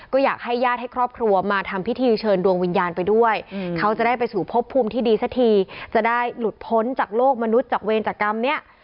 ก็อยากให้ญาติให้ครอบครัวมาทำพิธีเชิญดวงวิญญาณไปด้วยเขาจะได้ไปสู่พบภูมิที่ดีสักทีจะได้หลุดพ้นจากโลกมนุษย์จากเวรจากกรรมเนี่ย